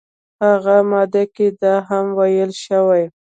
همغه ماده کې دا هم ویل شوي